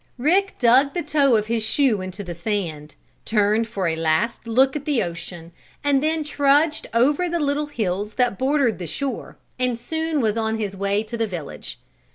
Rick dug the toe of his shoe into the sand, turned for a last look at the ocean and then trudged over the little hills that bordered the shore and soon was on his way to the village.